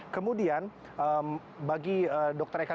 kemudian bagi dr eka ginanjar